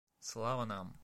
Слава нам!